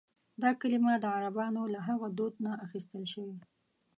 دا کلیمه د عربانو له هغه دود نه اخیستل شوې.